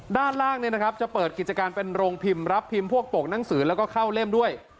ด้านล่างจะเปิดกิจการเป็นโรงพิมพ์รับพิมพ์พวกโป่งหนังสือแล้วก็เข้าเล่มด้วย